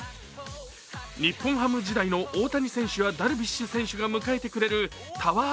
日本ハム時代の大谷選手やダルビッシュ選手が迎えてくれるＴＯＷＥＲ